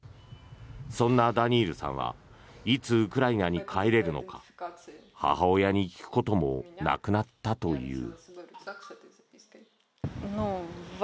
そんなダニールさんはいつウクライナに帰れるのか母親に聞くこともなくなったという。